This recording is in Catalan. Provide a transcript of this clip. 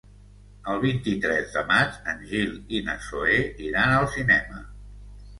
El vint-i-tres de maig en Gil i na Zoè iran al cinema.